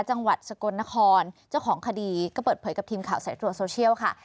จังหวัดสกลนครเจ้าของคดีก็เปิดเผยกับทีมข่าวสายตรวจโซเชียลค่ะ